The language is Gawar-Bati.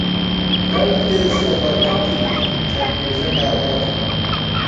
ڈل دېس تہ برحق تھنی شک کېئیݪہ کافر تھبہ